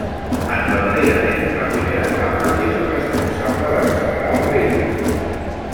En l'enlairament, la primera etapa és la responsable d'accelerar el vehicle.